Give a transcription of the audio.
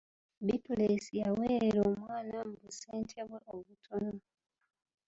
Bittuleesi yaweerera omwana mu busente bwe obutono.